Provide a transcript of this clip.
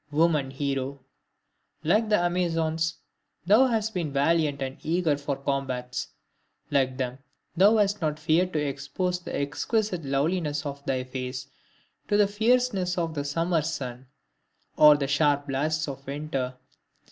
Woman hero! Like the Amazons, thou hast been valiant and eager for combats; like them thou hast not feared to expose the exquisite loveliness of thy face to the fierceness of the summer's sun, or the sharp blasts of winter!